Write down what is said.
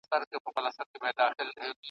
اورېدل باندي لوټونه غیرانونه `